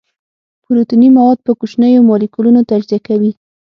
پروتیني مواد په کوچنیو مالیکولونو تجزیه کوي.